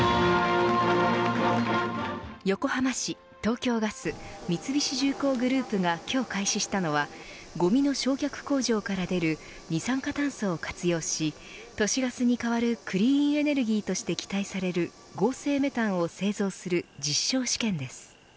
横浜市、東京ガス三菱重工業グループが今日開始したのはごみの焼却工場から出る二酸化炭素を活用し都市ガスに代わるクリーンエネルギーとして期待される合成メタンを製造する実証試験です。